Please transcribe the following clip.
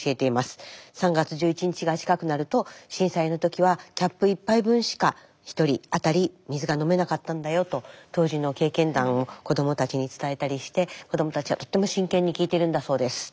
３月１１日が近くなると震災の時はキャップ１杯分しか１人当たり水が飲めなかったんだよと当時の経験談を子どもたちに伝えたりして子どもたちはとても真剣に聞いてるんだそうです。